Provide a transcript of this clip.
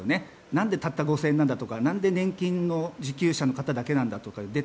何でたった５０００円なんだとか何で年金の受給者の方だけなんだとか。